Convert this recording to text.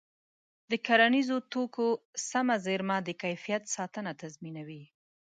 د کرنیزو توکو سمه زېرمه د کیفیت ساتنه تضمینوي.